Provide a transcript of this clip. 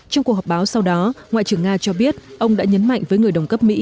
trong cuộc họp báo sau đó ngoại trưởng nga cho biết ông đã nhấn mạnh với người đồng cấp mỹ